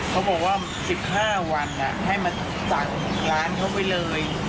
เขาบอกว่า๑๕วันให้มาสั่งร้านเขาไปเลย